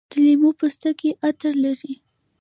د لیمو پوستکي عطر لري.